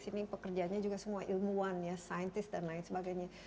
sini pekerjanya juga semua ilmuwan ya saintis dan lain sebagainya